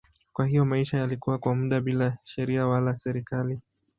Kwa hiyo maisha yalikuwa kwa muda bila sheria wala serikali.